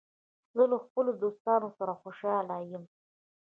زه له خپلو دوستانو سره خوشحال یم.